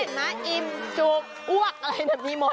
เห็นมั้ยอิ่มจุกอ้วกอะไรแบบนี้หมด